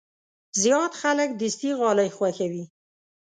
زیات خلک دستي غالۍ خوښوي.